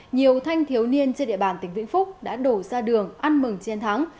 nhiều thanh thiếu niên trên địa bàn tỉnh vĩnh phúc đã đổ ra đường ăn mừng chiến thắng